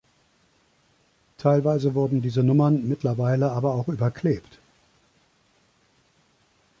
Teilweise wurden diese Nummern mittlerweile aber auch überklebt.